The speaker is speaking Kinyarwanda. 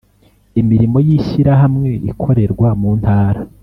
Imirimo y ishyirahamwe ikorerwa mu ntara